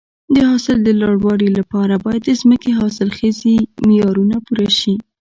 د حاصل د لوړوالي لپاره باید د ځمکې حاصلخیزي معیارونه پوره شي.